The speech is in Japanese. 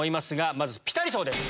まずピタリ賞です。